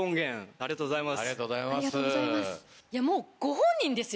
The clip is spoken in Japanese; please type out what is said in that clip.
ありがとうございます。